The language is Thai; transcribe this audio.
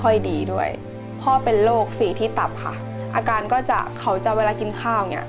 ดีด้วยพ่อเป็นโรคฝีที่ตับค่ะอาการก็จะเขาจะเวลากินข้าวอย่างเงี้